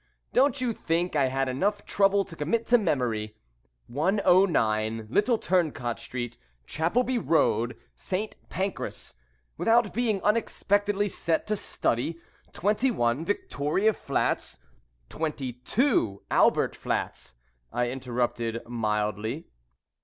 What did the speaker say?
Don't you think I had enough trouble to commit to memory '109, Little Turncot Street, Chapelby Road, St. Pancras,' without being unexpectedly set to study '21, Victoria Flats ?'" "22, Albert Flats," I interrupted mildly.